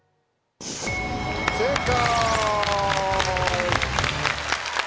正解！